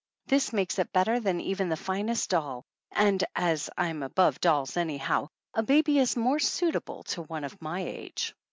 This makes it better than even the finest doll, and, as I'm above dolls anyhow, a baby is more suitable to one of my age.